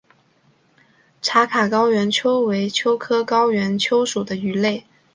茶卡高原鳅为鳅科高原鳅属的鱼类。